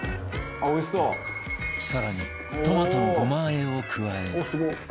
更にトマトのごま和えを加え